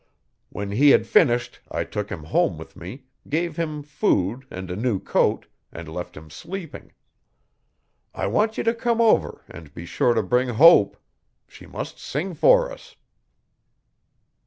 When he had finished I took him home with me, gave him food and a new coat, and left him sleeping. I want you to come over, and be sure to bring Hope. She must sing for us.'